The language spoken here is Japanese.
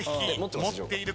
持っているか？